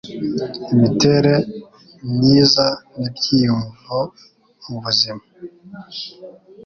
Imitere myiza n'ibyiyumvo mu buzima